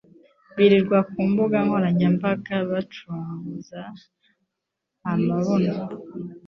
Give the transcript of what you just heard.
birirwa ku mbuga nkoranyambaga bacugusa amabuno.